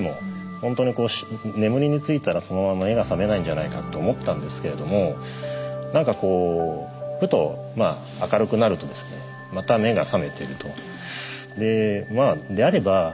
ほんとに眠りについたらそのまま目が覚めないんじゃないかって思ったんですけれどもなんかこうふと明るくなるとですねまた目が覚めていると。